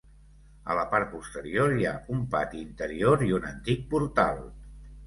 A la part posterior hi ha un pati interior i un antic portal.